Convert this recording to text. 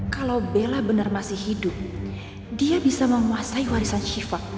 kalo bella bener masih hidup dia bisa menguasai warisan shiva